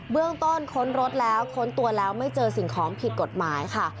เรื่องต้นค้นรถแล้วค้นตัวแล้วไม่เจอสิ่งของผิดกฎหมายค่ะ